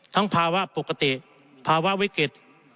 ภาวะปกติภาวะวิกฤต